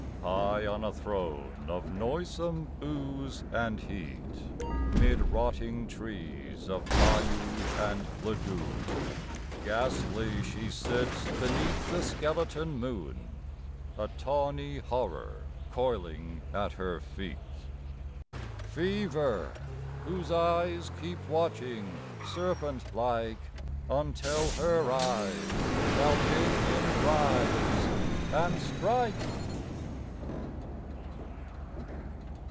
High on a throne of noisome ooze and heat, 'Mid rotting trees of bayou and lagoon, Ghastly she sits beneath the skeleton moon, A tawny horror coiling at her feet Fever, whose eyes keep watching, serpent like, Until her eyes shall bid him rise and strike.